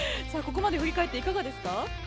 ここまで振り返っていかがですか？